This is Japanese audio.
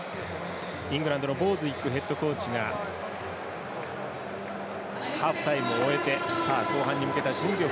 イングランドのボーズウィックヘッドコーチがハーフタイムを終えて後半に向けた準備を